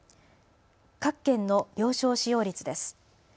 各県の病床使用率です。